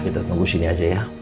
kita tunggu sini aja ya